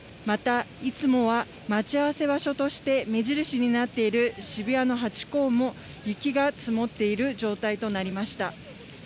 また、いつもは待ち合わせ場所として目印になっている渋谷のハチ公も、雪が積もっている状態となりました。